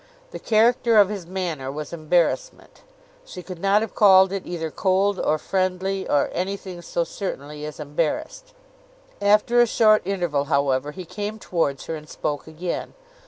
The character of his manner was embarrassment. She could not have called it either cold or friendly, or anything so certainly as embarrassed. After a short interval, however, he came towards her, and spoke again.